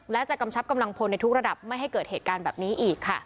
และจะกำชับกำลังพลในทุกระดับไม่ให้เกิดเหตุการณ์แบบนี้อีกค่ะ